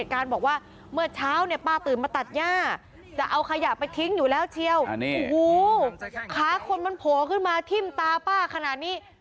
คนมันโผล่ขึ้นมาทิ้มตาป้าขนาดนี้